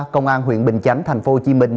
công an huyện bình chánh thành phố hồ chí minh